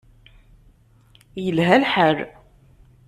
Yelha lḥal.